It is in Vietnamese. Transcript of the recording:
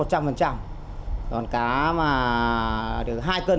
còn cá hai cân trở lên